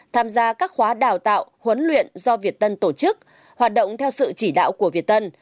tham gia các khóa đào tạo huấn luyện do việt tân tổ chức hoạt động theo sự chỉ đạo của việt tân